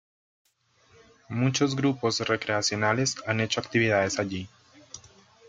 Muchos grupos recreacionales han hecho actividades allí.